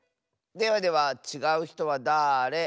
ではではちがうひとはだれ？